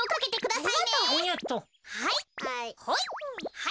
はい。